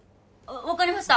分かりました。